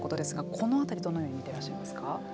この辺りどのように見ていらっしゃいますか。